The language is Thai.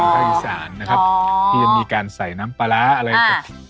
ที่จะมีการใส่น้ำปลาร้าอะไรกับ